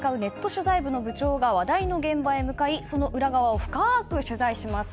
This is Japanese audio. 取材部の部長が話題の現場へ向かいその裏側を深く取材します。